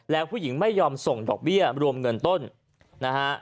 แล้วผู้หญิงไม่ยอมส่งดอกเบี้ยรวมเงินต้นนะฮะ